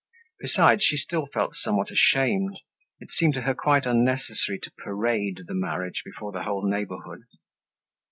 Besides, she still felt somewhat ashamed; it seemed to her quite unnecessary to parade the marriage before the whole neighborhood.